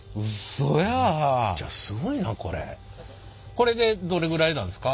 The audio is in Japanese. これでどれぐらいなんですか？